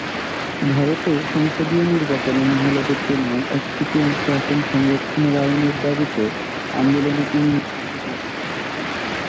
ভারতে সংসদীয় নির্বাচনে মহিলাদের জন্য এক-তৃতীয়াংশ আসন সংরক্ষণের আইনের দাবিতে আন্দোলনে তিনি নেতৃত্ব দিয়েছিলেন।